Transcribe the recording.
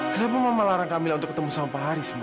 kenapa mama larang kamila untuk ketemu sama pak haris ma